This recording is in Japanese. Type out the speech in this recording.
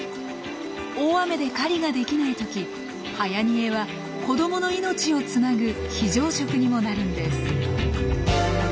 大雨で狩りができない時はやにえは子どもの命をつなぐ非常食にもなるんです。